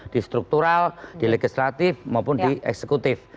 di struktural di legislatif maupun di eksekutif